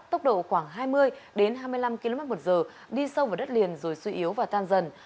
tốc độ khoảng hai mươi hai mươi năm kmh đi sâu vào đất liền rồi suy yếu và tan dần